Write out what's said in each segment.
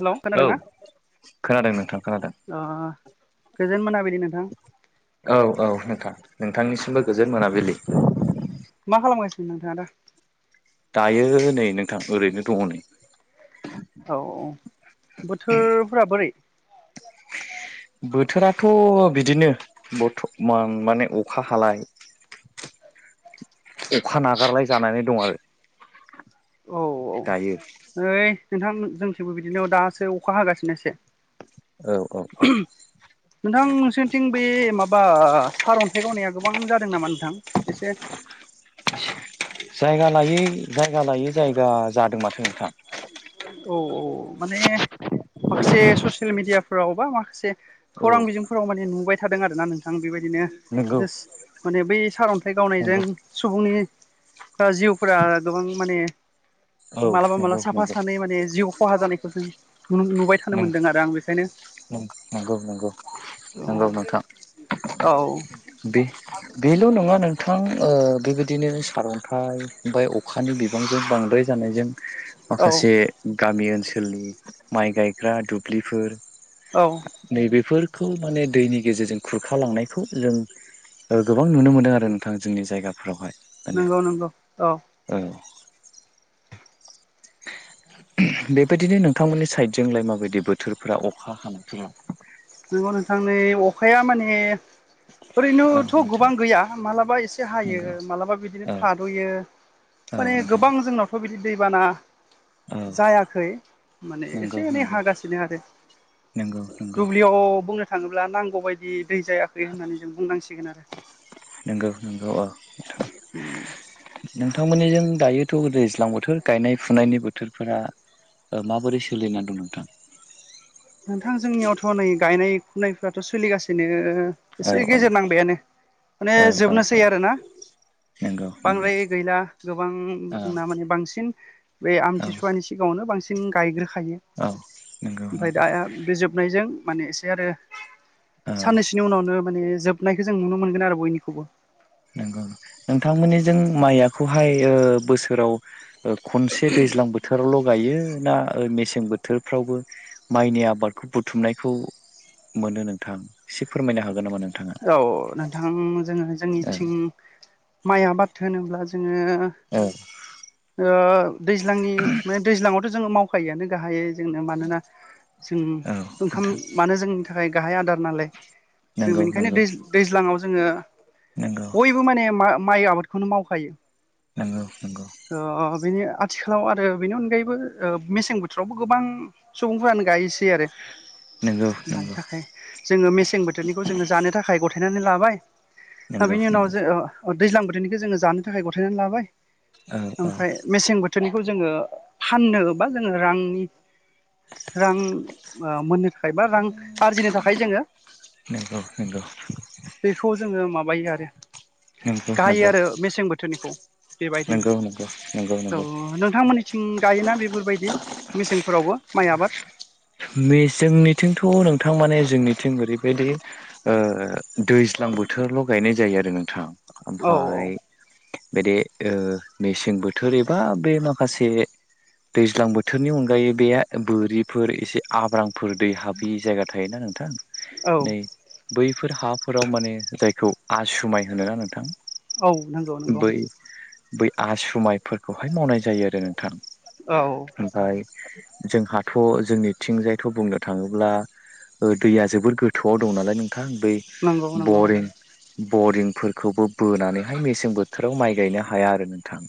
Hello औ खोनादोंना खोनादों नोंथां खोनादों। अ गोजोन मोनाबिलि नोंथां। औ औ नोंथां नोंथांनिसिमबो गोजोन मोनाबिलि। मा खालामगासिनो नोंथाङा दा? दायो नै नोंथां ओरैनो दङ नै। औ औ बोथोरफोरा बोरै? बोथोराथ' बिदिनो बरथ'मान माने अखा हालाय [inaudible] अखा नागारलाय जानानै दं आरो दायो। नै नोंथां जोंथिंबो बिदिनो दासो अखा होगासिनोसै। औ औ औ नोंथां नोंसोरनिथिं बे माबा सारअन्थाइ गावनाया गोबां जादों नामा नोंथां एसे जायगा लायै जायगा लायै जायगा जादों माथो नोंथां। औ औ माने माखासे ससियेल मिडियाफोराव बा माखासे औ खौरां बिजोंफोराव माने नुबाय थादों आरो ना नों थां बेबायदिनो नंगौ जस्ट माने बै सारन्थाइ गावनायजों नंगौ सुबुंनि जिउफोरा गोबां माने औ मालाबा नंगौ मालाबा [unintelligible] नंगौ माने जिउ खहा जानायखौ जों नुनो मोनबोबाय। थानो मोनदों आरो आं बेखायनो नंगौ नंगौ नंगौ नोंथां औ। औ। बे बेल' नङा नोंथां बेबायदिनो सार'न्थाइ ओमफाय अ - अखानि बिबांजों बांद्राय जानायजों औ माखासे गामि ओनसोलनि माइ गायग्रा दुब्लिफोर औ नैबेफोरखौ माने दैनि गेजेरजों खुरखालांनायखौ जों गोबां नुनो मोनदों आरो नोंथां जोंनि जायगाफोरावहाय। माने नंयोंगौ नोंगौ औ। औ बेबायदिनो नोंथांमोननि साइडजोंलाय माबायदि बोथोरफोरा अखा हानायफोरा? नंगौ नोंथां नै अखाया माने औ ओरैनोथ' नोंथां गोबां गैया मालाबा एसे नंगौ हायो मालाबा बिदिनो औ थाद'यो। औ माने नोंथां गोबां जोंनाव थ' बिदि दैबाना औ जायाखै माने नंगौ एसे एनै हागासिनो आरो। नंगौ नंगौ। याव बुंनो थाङोब्ला नांगौ बायदि दै जायाखै होननानै जों बुंनांसिगोन आरो। नोंगौ नंगौ औ। [inaudible] नोंथांमोननिजों दायोथ' दैज्लां बोथोर गायनाय फुनायनि बोथोरफोरा माबोरै सोलिनानै दं नोंथां? नोंथां जोंनियावथ' नै गायनाय फुनायफ्राथ' सोलिगासिनो। औ एसे औ गेजेर नांबायानो माने औ औ जोबनोसै आरो ना। नंगौ नंगौ बांद्राय गैला गोबां औ जोंना माने बांसिन बे औ आमथिसुवानि सिगाङावनो बांसिन गायग्रोखायो। औ। नंगौ ओमफ्राय दा नंगौ बे जोबनायजों माने एसे आरो औ साननैसोनि उनावनो माने जोब नायखो जों नुनो मोनगोन आरो बयनिखौबो। नंगौ। नोंथांमोननिजों माइआखौहाय बोसोराव खनसे दैज्लां बो थोरावल' गायो ना मेसें बोथोरफ्रावबो माइनि आबादखौ बुथुमनायखौ मोनो नोंथां एसे फोरमायनो हागोन नामा नोंथाङा? औ नोंथां जोङो औ जोंनिथिं माइ आबाद होनोब्ला जोङो औ। दैज्लांनि माने दैज्लाङावथ' जोंङो मावखायोआनो गाहायै जोंनो मानोना जों औ ओंखाम नोंथां मानो जोंनि थाखाय गाहाय आदार नालाय। जों नंगौ बेनिखायनो नंगौ। दैज्लाङाव जोङो नंगौ बयबो माने माइ आबादखौनो मावखायो। नंगौ नंगौ। बेनि आथिखालाव आरो बेनि अनगायैबो मेसें बोथोरावबो गोबां सुबुंफोरानो गायसै आरो नंगौ मानि नंगौ थाखाय जोङो मेसें बोथोरनिखौ जोङो जानो थाखाय गथायनानै लाबाय आरो नंगौ बेनि उनाव नंगौ जे अ दैज्लां बोथोरनिखौ जोङो जानो थाखाय गथायनानै लाबाय औ औ ओमफ्राय मेसें बोथोरनिखौ जोङो फाननो बा जोङो रांनि रां मोननो थाखाय बा रां आरजिनो थाखाय जोङो नंगौ नंगौ। बेखौ जोङो माबायो आरो नंगौ नंगौ गायो आरो मेसें बोथोरनिखौ बेबायदिनो। नंगौ नंगौ औ नंगौ नोंथांमोननि थिं गायोना बेफोरबायदि मेसेंफोरावबो? माइ आबाद मे जोंनिथिंथ' नोंथां माने जोंनिथिं ओरैबायदि दैज्लां बोथोरल' गायनाय जायो आरो नोंथां औ औ ओमफाय बेदि मेसें बोथोर एबा बे माखासे दैज्लां बोथोरनि अनगायै बे बोरिफोर एसे आब्रांफोर दै हाबै जायगा थायोना नोंथां औ नै। बैफोर हाफोराव माने जायखौ आसुमाय होनो ना नोंथां? औ नंगौ नंगौ बै बै आस्रुमायफोरखौहाय मावनाय जायो आरो नोंथां। औ ओमफ्राय जोंहाथ' जोंनिथिंजायथ' बुंनो थाङोब्ला दैया जोबोर गोथौआव दं नालाय नोंथां बै नंगौ नंगौ बरिं बरिंफोरखौबो बोनानैहाय मेसें बो बोथोराव माइ गायनो हाया आरो नोंथां।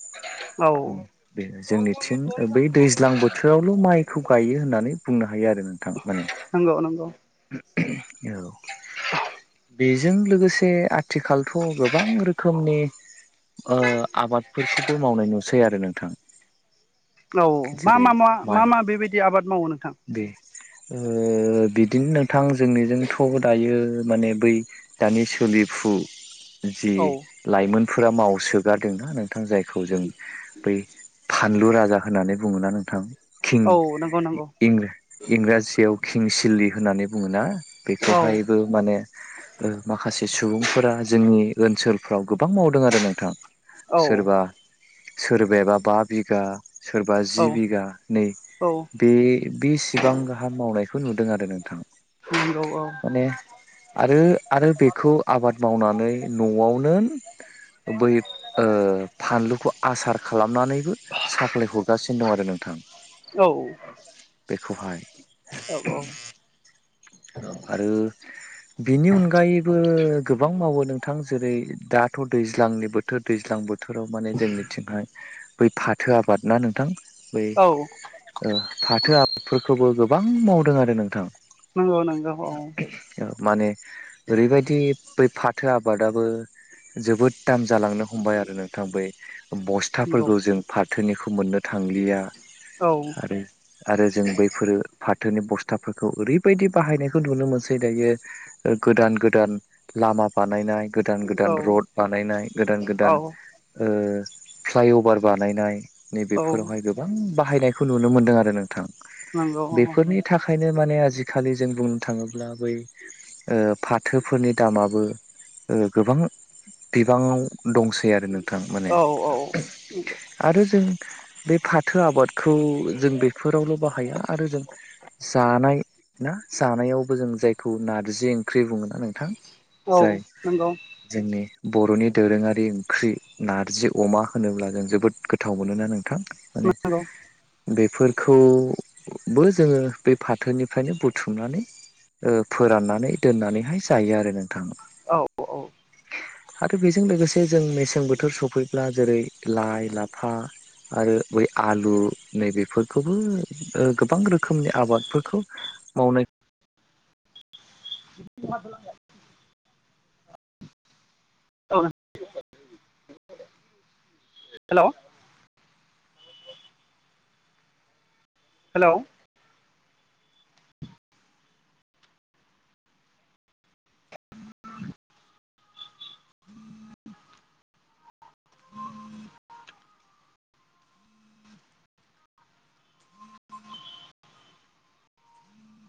औ बे जोंनिथिं बै दैज्लां बोथोराव ल' माइखौ गायो होननानै बुंनो हायो आरो नोंथां माने। नंगौ नंगौ औ बेजों लोगोसे आथिखालथ' गोबां रोखोमनि आबादफोरखौबो मावनाय नुसै आरो नोंथां। औ मा जेरै मा मा मा माइ मा बेबायदि आबाद मावो नोंथां? बे बिदिनो नोंथां जोंनिजोंथ' दायो माने बै दानि सोलिफु जि औ लाइमोनफोरा मावसोगारदों आरो नोंथां जायखौ जों बै फानलु राजा होननानै बुङोना नोंथां। खिं औ नंगौ नंगौ इंराजियाव किं सिलि होननानै बुङो ना? औ बेखौहायबो माने माखासे सुबुंफोरा जोंनि ओनसोलफ्राव गोबां मावदों आरो नोंथां। औ सोरबा सोरबायबा बा बिगा सोरबा जि औ बिघा औ बे बेसेबां गाहाम मावनायखौ नुदों आरो नोंथां। औ औ माने आरो आरो बेखौ आबाद मावनानै न'आवनो बै फानलुखौ आसार खालामनानैबो साप्लाय हरगासिनो दं आरो नोंथां। औ बेखौहाय औ औ आरो बिनि अनगायैबो गोबां मावो नोंथां जेरै दाथ' दैज्लांनि बो थोर दैज्लां बोथोराव माने जोंनिथिंहाय बै फाथो आबाद ना नोंथां। बै फाथो आबादफोरखौबो गोबां मावदों आरो नोंथां। नंगौ नोंथां औ माने ओरैबायदि बै फाथो आबादाबो जोबोद दाम जालांनो हमबाय आरो नोंथां बै बस नंगौ थाफोरखौ जों फाथोनिखौ मोननो थांलिया औ आरो आरो जों बैफोरो फाथोनि बस्थाफोरखौ ओरैबायदि बाहायनायखौ नुनो मोनसै दायो गोदान गोदान लामा बानायनाय गोदान औ गोदान रड बानायनाय गोदान औ गोदान फ्लाइअभार बानायनाय औ नैबेफोरावहाय गोब बां बाहायनायखौ नुनो मोनदों आरो नोंथां नंगौ बेफोरनि थाखायनो माने आजिखालि जों बुंनो थाङोब्ला बै फाथोफोरनि दामाबो गोबां बिबाङाव दंसै आरो नोंथां माने। औ औ आरो जों बे फाथो आबादखौ जों बेफोरावल' बाहाया आरो जों जानाय ना जानायावबो जों जायखौ नारजि ओंख्रि बुङो ना नोंथां। औ जाय नंगौ जोंनि बर'नि दोरोङारि ओंख्रि नार जि अमा होनोब्ला जों जोबोद गोथाव मोनोना नोंथां माने नंगौ बेफोरखौबो जोङो बे फाथोनिफ्रायनो बुथ थुमनानै फोराननानै दोननानैहाय जायो आरो नोंथां। औ औ आरो बेजों लोगोसे जों मेसें बोथोर सफैब्ला जेरै लाइ लाफा आरो बै आलु नै बेेफोरखौबो गोबां रोखोमनि आबादफोरखौ मावनाय [unintelligible] औ हेल'। हेल'। [inaudible]